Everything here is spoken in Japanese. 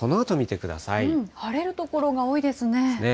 晴れる所が多いですね。